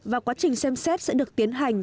và quá trình xem xét sẽ được tiến hành